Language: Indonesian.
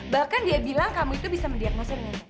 bahkan dia bilang kamu itu bisa mendiagnosin medis